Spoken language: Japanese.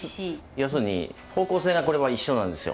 要するに方向性がこれは一緒なんですよ。